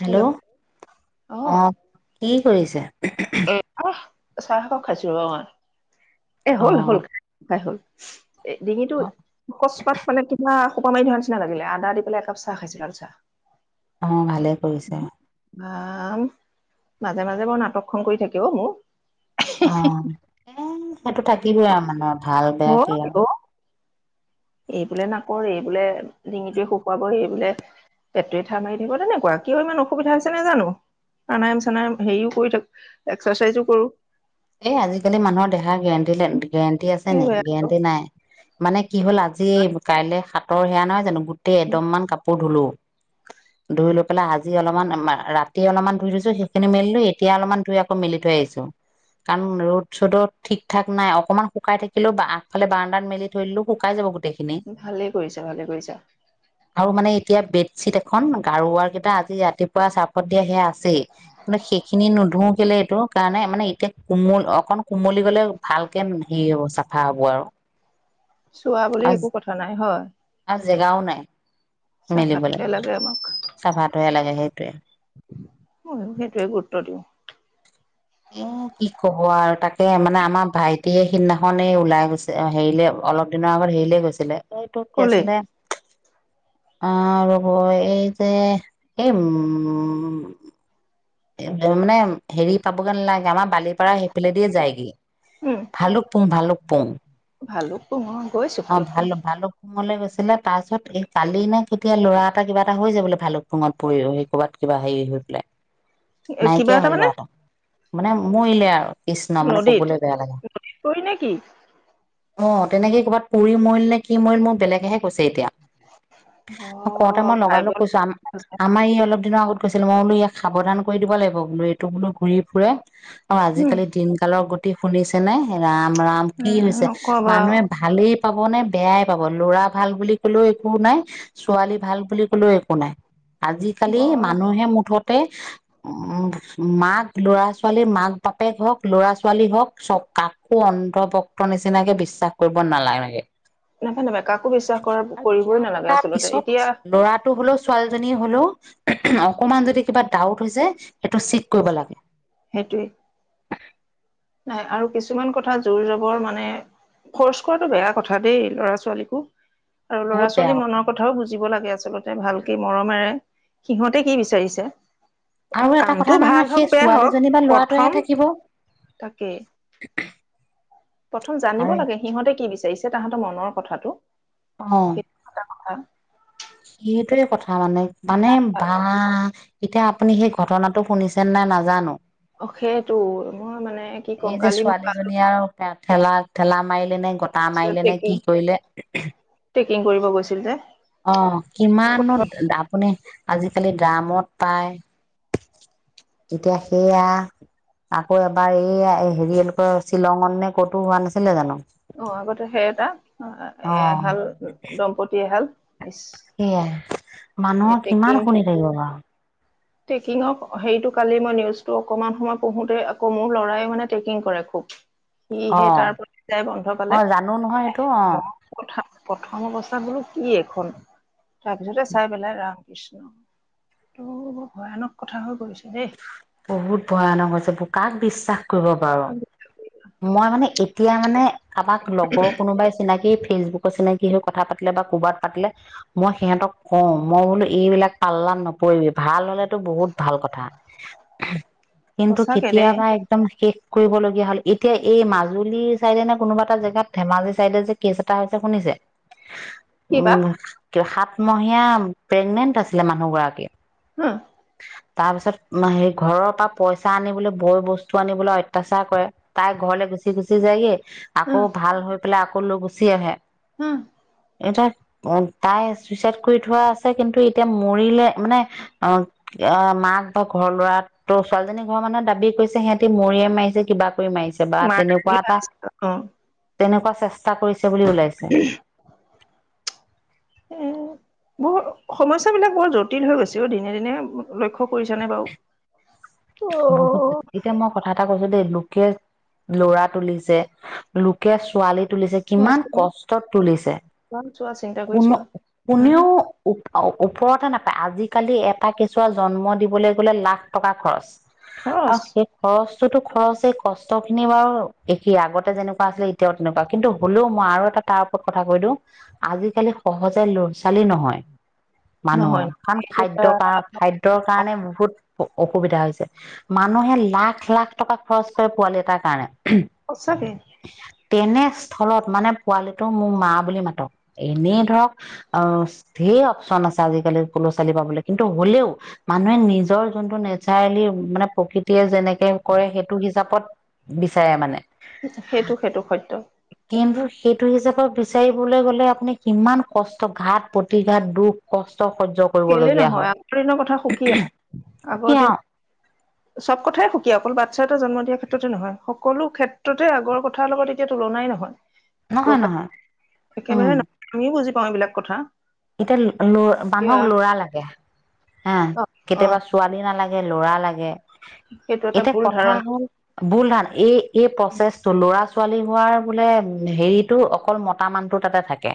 Hello অ' কি কৰিছা? এ আহ চাহ একাপ খাইছিলোঁ এ অ হ'ল হল। খাই হ'ল, এ ডিঙিটো অকস্মাৎ মানে তোমাৰ সোপা মাৰি ধৰা নিচিনা লাগিলে, আদা পেলাই এক চাহ খাইছো লাল চাহ। অ' ভালে কৰিছে। বা মাজে মাজে বৰ নাটকখন কৰি থাকে অ' মোৰ। অ' এ সেইটো আৰু থাকিবই আৰু মানুহৰ ভাল বেয়া হয় কি অ আৰু। এই বোলে নাকৰ এই বোলে ডিঙিটোৱে শুকুৱাব এই বোলে পেটটোৱে থাহ মাৰি ধৰিব তেনেকুৱা কিয় ইমান অসুবিধা নেজানো। প্ৰাণায়ম চণায়ম হেৰিও কৰি থাকো এক্সাৰচাইজো কৰো। এই আজিকালি মানুহৰ দেহাৰ গেৰেণ্টিলেন, গেৰেণ্টি আছে নিকি গেৰেণ্টি নাই। মানে কি হ'ল আজি, কাইলে সাতৰ সেয়া নহয় জানো, গোটেই এদম মান কাপোৰ ধুলো। [unintelligible] ধুই লৈ পেলাই, আজি অলপমান, মা- ৰাতি অলপমান ধুই থৈছো সেইখিনি মেলিলো, এতিয়া অলপমান ধুই আকৌ মেলি থৈ আহিছো। কাৰণ ৰ'দ-চ'ডত ঠিক থাক নাই, অকমান শুকাই থাকিলে বা আগফালে বাৰাণ্ডাত মেলি থৈ দিলেও শুকাই যাব গোটেই ভালেই কৰিছা, ভালে কৰিছা। আৰু মানে এতিয়া বেডশ্বিট এখন, গাৰুৰ ওৱাৰ কেইটা আজি ৰাতিপুৱা চাৰ্ফত দিয়া সেয়া আছে আছেই, মানে সেইখিনি নোধোও কেলে এইটো কাৰণে মানে এতিয়া কোমল, অকন কোমলি গ'লে ভালকে হেৰি হ'ব, চাফা হ'ব আৰু। চুৱা বুলি একো কথা নাই হয়? আৰু জেগাও নাই মেলিবলৈ, চাহপাতোহে লাগে চাফাটোহে লাগে সেইটোয়ে। মইও সেইটোৱে গুৰুত্ব দিওঁ। মোৰ কি ক'ব আৰু তাকে মানে আমাৰ ভাইটিয়ে সিদিনাখনেই এ, ওলাই গৈছে, হেৰিলে অলপ দিনৰ আগত হেৰিলে গৈছিলে, এইটো কি কলেই আছিলে? অ' ৰ'ব এই যে, এই উম এফালে মানে হেৰি পাবগে নালাগে, আমাৰ বালিপাৰা সেইফালে দিয়ে যায় গে ভালুক পুং, ভালুক পুং। ভালুক পুং, অ' গৈছোঁ ভালুক পুং। ভালুুকপুংলে গৈছিলে, তাৰ পিছত এই কালি নে কেতিয়া ল'ৰা এটা কিবা এটা হৈছে বোলে ভালুক পুঙত পৰি সেই ক'ৰবাত কিবা হেৰি হৈ পেলাই। কিবা নাইকিয়া এটা হ'ল মানে লৰাটো, মানে মৰিলে আৰু। কৃষ্ণ মানে নদীত ক'বলৈ বেয়া লাগে। কৰি নে কি অ', তেনেকেই কৰবাত পুৰি মৰিল নে কি মৰিল, মোক বেলেগেহে কৈছে এতিয়া। অ কওঁতে মই লগা ভাইব লগ কৈছো আ- আমাৰ ই অলপ দিনৰ আগত গৈছিল। মই বোলো ইয়াক সাৱধান কৰি দিব লাগিব বোলো, এইটো বোলো ঘূৰি ফুৰে। আৰু উম আজিকালি দিনকালৰ গতি শুনিছে নে, ৰাম ৰাম কি হৈছে? নকবা মানুহে ভা ভালেই পাব নে, বেয়াই পাব, ল'ৰা ভাল বুলি ক'লেও একো নাই ছোৱালী ভাল বুলি কলেও একো নাই, আজিকালি বৰ মানুহে মুঠতে উম, মাক, ল'ৰা-ছোৱালী, মাক-বাপেক হওঁক, ল'ৰা-ছোৱালী হওঁক চ'ব, কাক কো অন্ধভক্ত নিচিনাকে বিশ্বাস কৰিব নালাগে। নাপা কাকো বিশ্বাস কৰা আৰু কৰিবই বিয়া নালাগে পতা আচলতে পিছতো এতিয়া ল'ৰা টো হ'লেও, ছোৱালীজনী হ'লেও, অকমান যদি কিবা ডাউট হৈছে সেইটো চেক কৰিব লাগে। সেইটোৱেই। নাই আৰু কিছুমান কথা জোৰ জবৰ মানে ফ'ৰচ কৰাটো বেয়া কথা দেই, ল'ৰা-ছোৱালীকো আৰু বহুত বেয়া ল'ৰা-ছোৱালী কথা মনৰ কথাও বুজিব লাগে আচলতে ভালকে মৰমেৰে, সিহঁতে কি বিচাৰিছে? আৰু এটা কথা কামটো নহয় ভাল নহয় হওক, সেই বেয়া হওক, ছোৱালীজনী বা ল'ৰাটোৱেহে প্ৰথম থাকিব তাকে। [inaudible] প্ৰথম জানিব লাগে সিহঁতে কি বিচাৰিছে তাহাঁতৰ মনৰ কথাটো। অ'। [unintelligible] নহয়। সেইটয়ে কথা মানে, মানে ভা আ, এতিয়া আপুনি সেই ঘটনাটো শুনিছেন নাই নাজানো। অ' সেইটো মই মানে কি ক'ম এই যে কালি মই ছোৱালীজনী আৰু ঠেলা ঠেলা মাৰিলে নে তা মাৰিলে নে ট্ৰেকিং কি কৰিলে। ট্ৰেকিং কৰিব গৈছিল যে অ' কিমানো, আপুনি আজিকালি ড্ৰামত পায়। তেতিয়া সেইয়া আকৌ এবাৰ এই এই হেৰি এওঁলোকৰ শ্বিলঙত নে ক'তো হোৱা নাছিলে জানো। অ' আগতে সেই এটা এ, অ এহাল দম্পতি এহাল। সেয়াই মানুহৰ কিমান শুনি থাকিব বাৰু। ট্ৰেকিঙৰ হেৰিটো কালি মই নিউজটো অকমান সময় পঢ়োতেই আকৌ মোৰ ল'ৰাই মানে ট্ৰেকিং কৰে খুব। সি অ সেই তাৰ প্ৰতি যাই বন্ধ অ পালে। জানো নহয় সেইটো অ। প্ৰথা প্ৰথম অৱস্থাত বুলো কি এইখন তাৰপিছতে চাই পেলাই ৰাম কৃষ্ণ। [unintelligible] ভয়ানক কথা হৈ গৈছে দেই। বহুত ভয়ানক হৈছে, বোৰ কাক বিশ্বাস কৰিব বাৰু। মই মানে এতিয়া মানে কাৰোবাক লগৰ কোনোবাই চিনাকি ফেচবুক কৈ চিনাকি হৈ কথা পাতিলে বা ক'ৰবাত পাতিলে মই সিহঁতক কওঁ মই বোলো এইবিলাক পাল্লাত নপৰিবি ভাল হলেতো বহুত ভাল কথা কিন্তু সঁচাকে দেই কেতিয়াবা একদম শেষ কৰিবলগীয়া হ'ল এতিয়া এই মাজুলী চাইডে নে কোনোবা এটা জেগাত ধেমাজি চাইডে যে কেছ এটা হৈছে শুনিছে? কি বা উম, কিবা সাত মহীয়া প্ৰেগনেন্ট আছিলে মানুহ গৰাকী। হুম। তাৰপিছত সে ঘৰৰ পৰা পইচা আনিবলৈ, বৈ বস্তু আনিবলৈ অত্যাচাৰ কৰে। তাৰ ঘৰলৈ গুচি গুচি যায়গে উম আকৌ ভাল হৈ পেলাই আকৌ লৈ গুচি আহে। হু। এটা অ' তাই চুইচাইড কৰি থোৱা আছে কিন্তু এতিয়া মৰিলে মানে অ' আ, মাক বা ঘৰৰ ল'ৰাক। ত' ছোৱালীজনীৰ ঘৰৰ মানুহৰ দাবী কৰিছে সিহঁতি মৰিয়াই মাৰিছে, কিবা কৰি মাৰিছে। বা মাৰ তেনেকুৱা বুলি এটা, ভাবিছিলো অ তেনেকুৱা চেষ্টা কৰিছে বুলি ওলাই [inaudible] [unintelligible] এ বৰ সমস্যাবিলাক বৰ জটিল হৈ গৈছে দিনে দিনে লক্ষ্য কৰিছনে বাৰু। বহুত, অ এতিয়া মই কথা এটা কৈছোঁ দেই লোকে ল'ৰা তুলিছে, লোকে ছোৱালীত তুলিছে, কিমান চোৱাচোন কষ্টত তুলিছে, ইমান চোৱা চিন্তা কৰি চোৱা কোনো হম কোনেও ওপ-ওপৰতে নাপায় আজিকালি এটা কেঁচুৱা জন্ম দিবলৈ গ'লে লাখ টকা খৰচ। খৰচ আৰু সেই খৰচটোতো খৰচেই, কষ্টখিনি বাৰু একেই আগতে যেনেকুৱা আছিলে এতিয়াও তেনেকুৱা কিন্তু হ'লেও মই আৰু এটা তাৰ ওপৰত কথা কৈ দিওঁ আজিকালি সহজে ল'ৰা ছোৱালী নহয়। নহয় মানুহৰ নহয় কাৰণ এইটো এটা খাদ্যয় কাৰ খাদ্যয়ৰ কাৰণে বহুত অ-অসুবিধা হৈছে। মানুহে লাখ লাখ টকা খৰচ কৰে পোৱালি এটাৰ কাৰণে। সঁচাকে। তেনেস্থলত মানে পোৱালিটো মোক মা বুলি মাতক, এনেই ধৰক অ ধেৰ অপচন আছে আজিকালি [unintelligible] ছোৱালী পাবলে কিন্তু হ'লেও মানুহে নিজৰ যোনটো নেচাৰেলি মানে প্ৰকৃতিয়ে যেনেকে কৰে, সেইটো হিচাপত বিচাৰে মানে। সেইটো, সেইটো সত্য। কিন্তু সেইটো হিচাপে বিচাৰিবলৈ গ'লে আপুনি কিমান কষ্ট ঘাত প্ৰতিঘাত দুখ কষ্ট সহ্য কেলে কৰিবলগীয়া নহয় আগৰ দিনৰ কথা সুকীয়া হয়', আগৰ দিন সুকীয়া। চব কথাই সুকীয়া, অকল বাচ্ছা এটা জন্ম দিয়াৰ ক্ষেত্ৰতে নহয়, সকলো ক্ষেত্ৰতে আগৰ কথাৰ লগত এতিয়া তুলনাই নহয়। [inaudible] গম নহয় পাই, উম একেবাৰে আমিওঁ বুজি পাওঁ এইবিলাক কথা। এতিয়া ল এতিয়া মানুহক লৰা লাগে হা অ কেতিয়াবা ছো ছোৱালী নালাগে, ল'ৰা লাগে। সেইটো এটা এতিয়া ভুল ধাৰণা কথা হ'ল, বুল হাল, এই, এই প্ৰচেছটো ল'ৰা ছোৱালী হোৱাৰ বোলে হেৰিটো অকল মত তা মানুহটোৰ তাতে থাকে।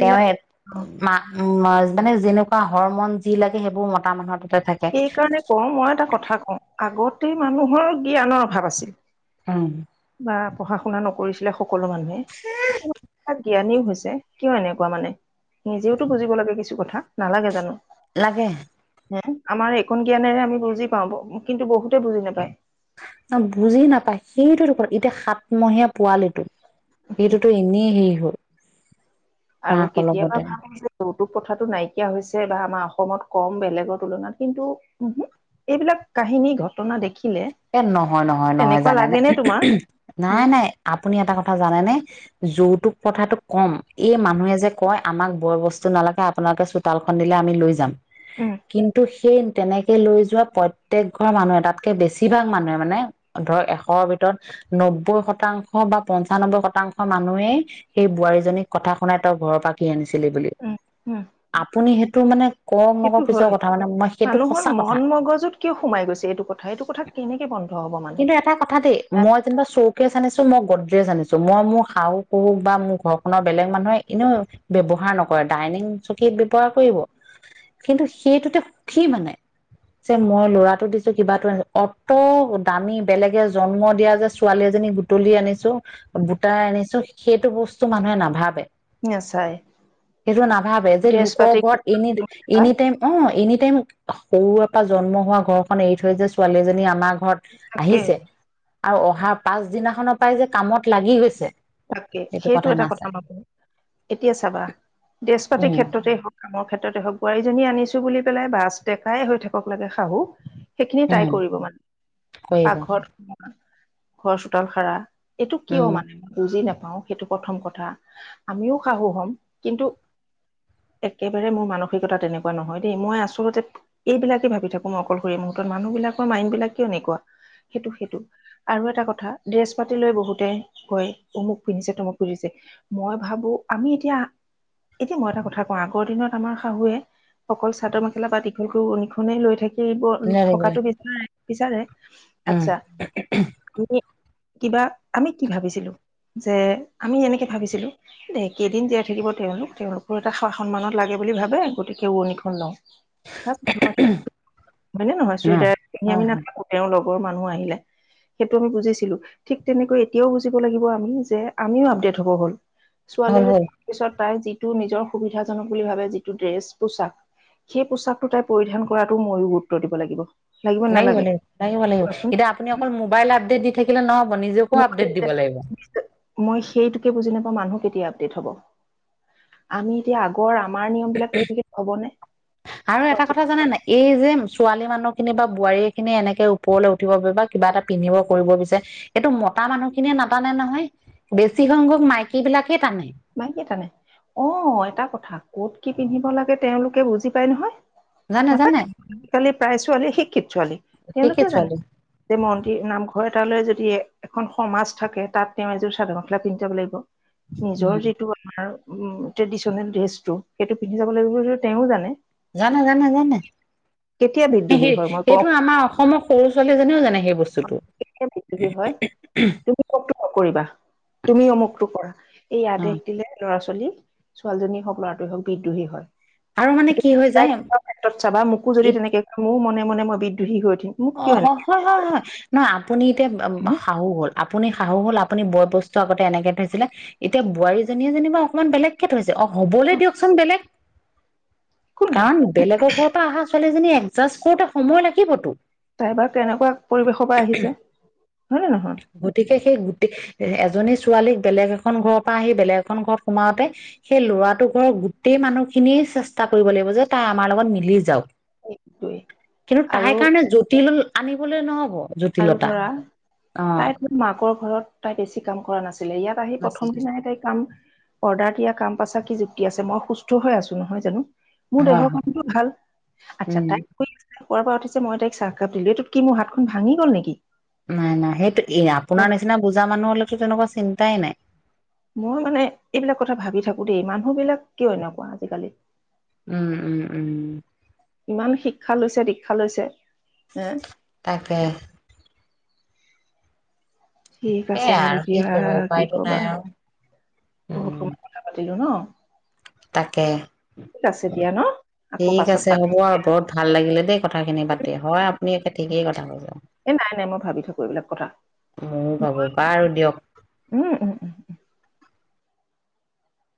তেওঁ এ অ মানুহ মান যেনেকুৱা হৰমন যি লাগে সেইবোৰ মতা মানুহত সেই কাৰণে কওঁ মই এটা কথা কওঁ আগতে মানুহৰ জ্ঞানৰ অভাৱ আছিল উম। বা পঢ়া শুনা নকৰিছিলে সকলো মানুহে। জ্ঞানীও হৈছে, কিয় এনেকুৱা মানে, নিজেওতো বুজিব লাগে, কিছু কথা, নালাগে জানোঁ। লাগে। হু আমাৰ এইখন জ্ঞানেৰে আমি বুজি পাওঁ কিন্তু বহুতে বুজি নাপায় অ', বুজি নাপায়, সেইটোৱেতো ক' এতিয়া সাতমহীয়া পোৱালিটো। এইটোতো এনেই হেৰি হ'ল। আৰু মাকৰ কেতিয়াবা লগতে ভাবোঁ যে। যৌতুক প্ৰথাটো নাইকিয়া হৈছে বা আমাৰ অসমত কম বেলেগৰ তুলনাত কিন্তু উহো এইবিলাক কাহিনী ঘটনা দেখি। এ নহয় নহয় নহয়, জানেনে? নে তোমাৰ নাই উম নাই, আপুনি এটা কথা জানেনে? যৌতুক প্ৰথাটো কম এই মানুহে যে কয় আমাক বয় বস্তু নালাগে আপোনালোকে চোতালখন দিলে আমি লৈ যাম উম কিন্তু সেই তেনেকে লৈ যোৱা প্ৰত্যেক ঘৰ মানুহ এটাত কে বেছিভাগ মানুহে মানে, ধৰ এশৰ ভিতৰত। নব্বৈ শতাংশ বা পঞ্চানব্বৈ শতাংশ মানুহেই সেই বোৱাৰী জনীক কথা শুনাই তই ঘৰ পাতি আনিছিলি বুলি উম উম আপুনি সেইটো মানে কওক সেইটো নকওক পিছৰ হয় কথা মানে মই সেইটো মানুহৰ সঁচা মন কথা মগজুত কিয় সোমাই গৈছে এইটো কথা, এইটো কথা কেনেকে বন কিন্তু এটা কথা দেই। মই যেনিবা চৌকেচ জানিছো মই গদ্ৰেছ জানিছো, মই মোৰ শাহু সহু বা মোৰ ঘৰখনৰ বেলেগ মানুহে এনেও ব্যৱহাৰ নকৰে ডাইনিং চকী ব্যৱহাৰ কৰিব। কিন্তু সেইটোতে সুখী মানে, যে মই ল'ৰাটো দি তো কিবাটো আনিলোঁ, অত দামী বেলেগে জন্ম দিয়া যে ছোৱালী এজনী বুটলি আনিছো। বুটাই আনিছো‌, সেইটো বস্তু মানুহে নাভাবে। নাচাই সেইটো ত নাভাবে যে ড্ৰেছ লোক পাতি ঘৰত এনি, এনি টাইম। অঁ এনি টাইম সৰুৰে পা জন্ম হোৱা ঘৰখন এৰি থৈ যে ছোৱালী এজনী আমাৰ ঘৰত তাকে আহিছে আৰু অহাৰ পাছ দিনাখনৰ পৰাই যে কামত লাগি গৈছে তাকে সেইটো এটা কথা উলাব এতিয়া চাবা ড্ৰেছ পাতিৰ উম ক্ষেত্ৰতে হওঁক কামৰ ক্ষেত্ৰত হওক, বোৱাৰীজনী আনিছো বুলি পেলাই বাছটেকাই হৈ থাকক লাগে শাহু সেইখিনি তাই উম কৰিব মানে, কৰিব পাকঘৰত, ঘৰ চোতাল সাৰা। এইটো কিয় উম মানে মই বুজি নাপাওঁ সেইটো প্ৰথম কথা, আমিও শাহু হ'ম কিন্তু একেবাৰে মোৰ মানসিকতা তেনেকুৱা নহয় দেই, মই আচলতে এইবিলাকে ভাবি থাকোঁ মই অকলশৰীয়া মুহূৰ্তত, মানুহবিলাকৰ মাইণ্ডবিলাক কিয় এনেকুৱা। সেইটো সেইটো আৰু এটা কথা ড্ৰেছ পাতি লৈ বহুতে কয়। অমুক পিন্ধিছে তমুক পুন্ধিছে মই ভাবো আমি এতিয়া এতিয়া কথা কওঁ, আগৰ দিনত আমাৰ শাহুৱে অকল চাদৰ মেখেলা বা দীঘলকৈ উৰণি লৈ থাকি লাগিলে থকাটো বিচাৰে বিচাৰে। উম আচ্ছা আমিনকিবা আমি কি ভাবিছিলো যে আমি এনেকে ভাবিছিলো দে কেইদিন জীয়াই থাকিব তেওঁলোক তেওঁলোকৰ এটা স-সন্মানত লাগে বুলি ভাবে গতিকে উৰণিখন লওঁ। [unintelligible] হয়নে নহয় অ চুইদাৰ পিন্ধি হয় আমি হয় নাথাকোঁ। তেওঁৰ লগৰ মানুহ আহিলে সেইটো আমি বুজিছিলো। ঠিক তেনেকৈ এতিয়াও বুজিব লাগিব যে আমিও আপডেট হ'ব হ'ল ছোৱালীয়ে হ'ল য হ'ল তাৰ পিছত তাই যিটো নিজৰ সুবিধাজনক বুলি ভাবে যিটো ড্ৰেছ পোছাক সেই পোচাকটো তাই পৰিধান কৰাটো মইও গুৰুত্ব দিব লাগিব। লাগিব নালাগে লাগিব-লাগিব লাগিব-লাগিব। কোৱাচোন এতিয়া আপুনি অকল মোবাইল আপডেট দি থাকিলে নহ'ব নিজকো আপডেট দিব লাগিব। মই সেইটোকে বুজি নাপাওঁ মানুহ কেতিয়া আপডেট হ'ব? আমি এতিয়া আগৰ আমাৰ নিয়ম বিলাক ধৰি থ হ'বনে। আৰু এটা কোৱাচোন কথা জানে নাই, এই যে ছোৱালী মানুহ খিনি বা বোৱাৰী খিনি এনেকে ওপৰলৈ উঠিব বি বা কিবা এটা পিন্ধিব কৰিব বিচাৰে এইটো মতা মানুহ খিনিয়ে নাটানে নহয়। বেছি সংখ্যক মাইকী বিলাকে টানে। মাইকী টানে, অ এটা কথা ক'ত কি পিন্ধিব লাগে তেওঁলোকে বুজি পায় নহয়। জানে নাপায়, জানে আজিকালি প্ৰায় ছোৱালী শিক্ষিত, ছোৱালী ঠিকেই তেওঁলোকে জানে ছোৱালী যে মন্দিৰ নামঘৰ এটালৈ যদি এখন সমাজ থাকে তাত তেওঁ এযোৰ চাদৰ-মেখেলা পিন্ধাব লাগিব। নিৰ উম যিটো আমাৰ ট্ৰেডিচনেল ড্ৰেছটো সেইটো পিন্ধি যাব লাগিব বুলি তেওঁ জানে। জানে-জানে-জানে কেতিয়া বিদ্ৰোহী এসেই হয় মই কওঁ এইটো আমাৰ অসমৰ সৰু ছোৱালী এজনীও জানে সেই বস্তুটো। কেতিয়া বিদ্ৰোহী হয় তুমি অমুকটো নকৰিবা, তুমি অমুকটো কৰা এই অ আদেশ দিলে ল'ৰা-ছোৱালী ছোৱালীজনীয়ে হওক ল'ৰাটোৱে হওক বিদ্ৰোহী হয়। আৰু মানে সেইটো কি হৈ যায় ক্ষেত্ৰত চাবা মোকো যদি তেনেকে মোৰ মনে মনে মই বিদ্ৰোহী হৈ উঠিম। মোক অ কিয় এনেকে হয়-হয়-হয় নহ আপুনি এতিয়া শাহু হ'ল আপুনি শাহু হ'ল আপুনি বয়-বস্তু আগতে এনেকে থৈছিলে এতিয়া বোৱাৰীজনীয়ে যেনিবা অকণমান বেলেগ থৈছে, অ হ'বলৈ দিয়কচোন বেলেগ একো নাই কাৰণ বেলেগৰ ঘৰৰ পৰা অহা ছোৱালীজনী এডজাষ্ট কৰোতে সময় লাগিবতো। তাইবা কেনেকুৱা পৰিৱেশৰ পৰা আহিছে হয়নে নহয়? গতিকে সেই গোটেই এজনী ছোৱালীক বেলেগ এখন ঘৰৰ পৰা আহি বেলেগ এখন ঘৰত সোমাওতে সেই ল'ৰাটো ঘৰ গোটেই মানুহ খিনিয়ে চেষ্টা কৰিব লাগিব যে তাই আমাৰ লগত মিলি যাওক। সেইটোৱে কিন্তু আৰু তাই কাৰণে জটিল আনিবলৈ নহ'ব। আৰু জটিলতা ধৰা অ তাই তোৰ মাকৰ ঘৰত তাই বেছি কাম কৰা নাছিলে ইয়াত আহি প্ৰথম হয় দিনাই তাই কাম অৰ্ডাৰ দিয়া কাম পাচাৰ কি যুক্তি আছে, মই সুস্থ হৈ আছো নহয় জানো। মোৰ দেহৰ হয় [unintelligible] ভাল। উম আচ্ছা তাই শুৱাৰ পৰা উঠছে মই তক চাহাপ দিলো এইটো কি মোৰাতখন ভঙি গ'ল নেকি। নাই নাই সেইটো এ আপোনাৰ নিচিনা বুজা মানুহলৈতো তেনেকুৱা চিন্তাই নাই। মই মানে এইবিলাক কথা ভাবি থাকো দেই মানুহ বিলাক কিয় এনেকুৱা আজিকালি। উম-উম-উম। ইমান শিক্ষা লৈছে, দীক্ষা লৈছে তাকে। ঠিক আছে সেইয়াই বাৰু আৰু কি দিয়া কব কি উপায়তো নাই কবা, আৰু। বহুত উম সময় কথা পাতিলো ন। তাকে ঠিক আছে দিয়া ন আকৌ ঠিক পাছত আছে হ'ব পাতিম আৰু বহুত ভাল লাগিলে দেই কথা খিনি পাতি হয় দিয়া আপুনি একে থিকে কথা কৈছে এ নাই নাই মই ভাবি থাকো এইবিলাক কথা মইও ভাবো বাৰু দিয়ক উম উম উম